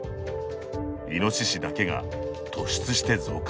イノシシだけが、突出して増加。